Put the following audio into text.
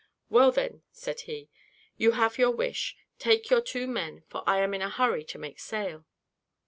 "Well, then," said he, "you have your wish; take your two men, for I am in a hurry to make sail."